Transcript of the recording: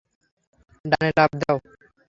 ডানে লাফ দাও।